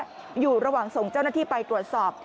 อยู่ระหว่างส่งเจ้าหน้าที่ไปตรวจสอบ